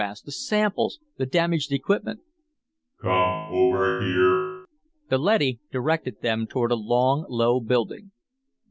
"All the photographs, the samples, the damaged equipment " "Come over here." The leady directed them toward a long, low building.